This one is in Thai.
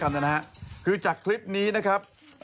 แห่งแห่งคือถสร้อกันนะครับจากคลิปนี้นะครับ